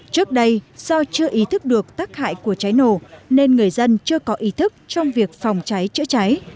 trước đây do chưa ý thức được tác hại của cháy nổ nên người dân chưa có ý thức trong việc phòng cháy chữa cháy